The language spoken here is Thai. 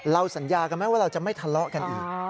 สัญญากันไหมว่าเราจะไม่ทะเลาะกันอีก